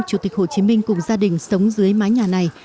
chủ tịch hồ chí minh cùng gia đình sống dưới mái nhà này